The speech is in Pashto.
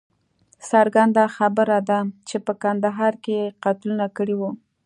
څرګنده خبره ده چې په کندهار کې یې قتلونه کړي وه.